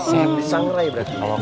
di sangrai berarti